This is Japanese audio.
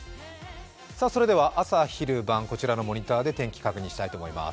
朝、昼、晩、こちらのモニターで天気を確認したいと思います。